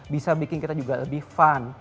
bisa bikin kita juga lebih fun